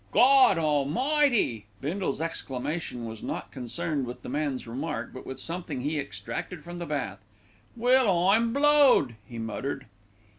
"Gawd Almighty!" Bindle's exclamation was not concerned with the man's remark, but with something he extracted from the bath. "Well, I'm blowed," he muttered.